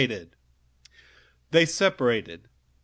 Then they separated.